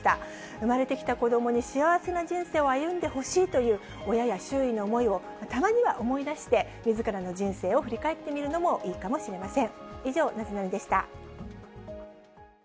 生まれてきた子どもに幸せな人生を歩んでほしいという親や周囲の思いをたまには思い出して、みずからの人生を振り返ってみるのもいいかもしれません。